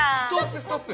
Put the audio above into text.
ストップ！